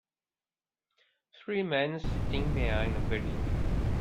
Three men sitting behind a building.